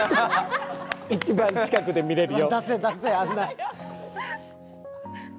一番近くで見られるよ。